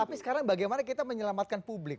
tapi sekarang bagaimana kita menyelamatkan publik